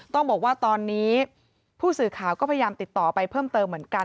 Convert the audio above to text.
ต้องบอกว่าตอนนี้ผู้สื่อข่าวก็พยายามติดต่อไปเพิ่มเติมเหมือนกัน